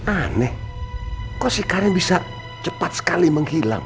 aneh kok si karin bisa cepat sekali menghilang